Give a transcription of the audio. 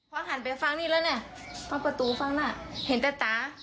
พอหันไปฟังนี่แล้วเนี่ยฟังประตูฝั่งน่ะเห็นแต่ตา